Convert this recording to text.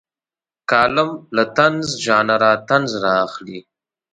کالم له طنز ژانره طنز رااخلي.